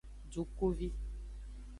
Dukuvi.